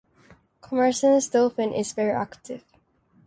Commerson's dolphin is very active.